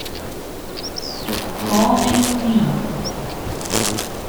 باغ فین